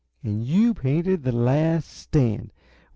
And you painted 'The Last Stand!'